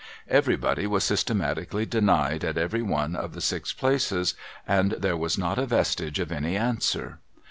Everybody was systemati cally denied at every one of the six places, and there was not a vestige of any answer.